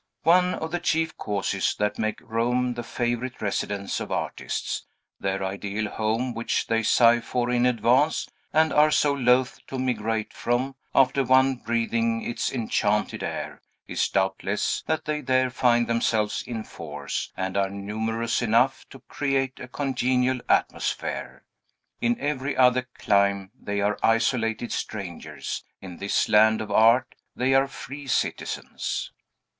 One of the chief causes that make Rome the favorite residence of artists their ideal home which they sigh for in advance, and are so loath to migrate from, after once breathing its enchanted air is, doubtless, that they there find themselves in force, and are numerous enough to create a congenial atmosphere. In every other clime they are isolated strangers; in this land of art, they are free citizens.